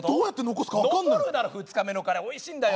残るだろ２日目のカレーおいしいんだよ。